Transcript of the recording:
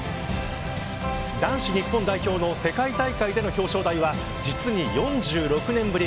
男子日本代表の世界大会での表彰台は実に４６年ぶり。